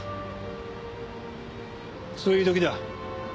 そういう時だ。